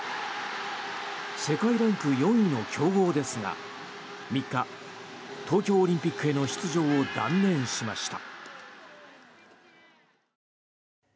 世界ランク４位の強豪ですが３日、東京オリンピックへの出場を断念しました。